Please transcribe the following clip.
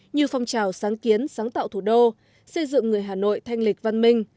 như phong trào sáng kiến sáng tạo thủ đô xây dựng người hà nội thanh lịch văn minh